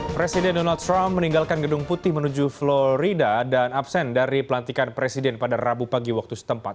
presiden donald trump meninggalkan gedung putih menuju florida dan absen dari pelantikan presiden pada rabu pagi waktu setempat